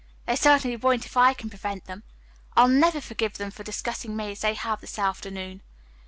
They certainly won't if I can prevent them. I'll never forgive them for discussing me as they have this afternoon."